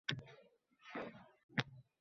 U hozir mening Ko-direktorim.